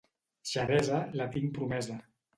Xeresa, la tinc promesa.